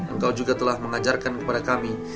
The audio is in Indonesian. engkau juga telah mengajarkan kepada kami